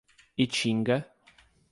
Itinga